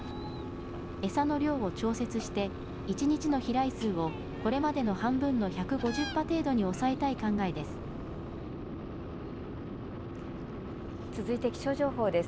餌の量を調節して一日の飛来数をこれまでの半分の１５０羽程度に抑えたい考えです。